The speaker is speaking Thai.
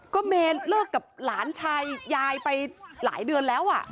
ก็เมย์เลิกกับหลานชายยายไปหลายเดือนแล้ว